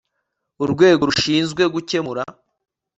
urwego rushinzwe gukemura